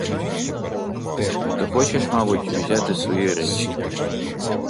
Ти хочеш, мабуть, узяти свої речі?